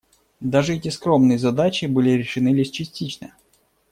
Даже эти скромные задачи были решены лишь частично.